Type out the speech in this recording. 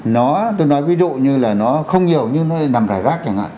nó tôi nói ví dụ như là nó không nhiều như nó nằm rải rác chẳng hạn